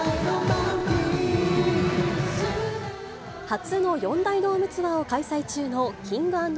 初の４大ドームツアーを開催中のＫｉｎｇ＆Ｐｒｉｎｃｅ。